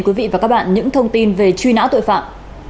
quý vị và các bạn những thông tin về truy nã tội phạm